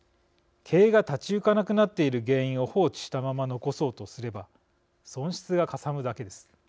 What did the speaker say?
経営が立ち行かなくなっている原因を放置したまま残そうとすれば損失がかさむだけです。